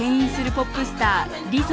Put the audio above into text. ポップスターリゾ。